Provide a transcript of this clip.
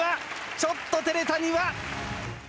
ちょっと照れた、丹羽。